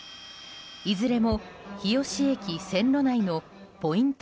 いずれも日吉駅線路内のポイント